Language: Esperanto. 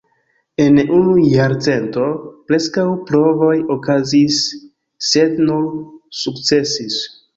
En unu jarcento, preskaŭ provoj okazis sed nur sukcesis.